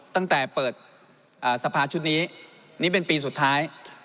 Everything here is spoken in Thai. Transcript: ตั้งแต่เปิดสภาชุดนี้นี่เป็นปีสุดท้าย